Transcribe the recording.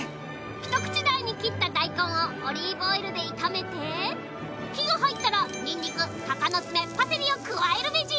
一口大に切った大根をオリーブオイルで炒めて火が入ったらニンニクタカノツメパセリを加えるベジ